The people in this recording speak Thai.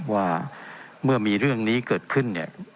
ว่าเมื่อมีเรื่องนี้เกิดขึ้นเนี่ย